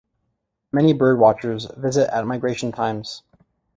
Many Bird watchers visit at migration times.